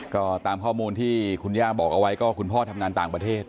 ก็ตามข้อมูลที่คุณย่าบอกเอาไว้ก็คุณพ่อทำงานต่างประเทศ